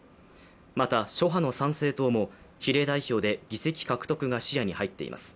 また諸派の参政党も比例代表で議席獲得が視野に入っています。